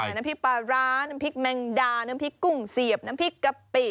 น้ำพริกปลาร้าน้ำพริกแมงดาน้ำพริกกุ้งเสียบน้ำพริกกะปิ